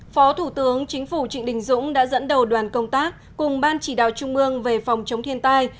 phó thủ tướng chính phủ trịnh đình dũng đã dẫn đầu đoàn công tác cùng ban chỉ đạo trung ương về phòng chống thiên tai